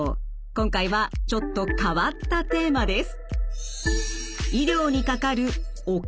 今回はちょっと変わったテーマです。